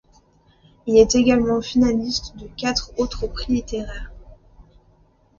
Il est également finaliste de quatre autres prix littéraires.